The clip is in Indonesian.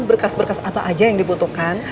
berkas berkas apa aja yang dibutuhkan